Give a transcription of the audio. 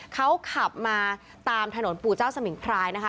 เขาขับมาตามถนนปู่เจ้าสมิงพรายนะคะ